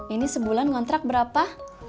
ini sebulan ngontrak berapa